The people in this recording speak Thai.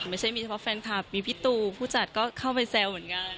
ไม่ใช่มีเฉพาะแฟนคลับมีพี่ตูผู้จัดก็เข้าไปแซวเหมือนกัน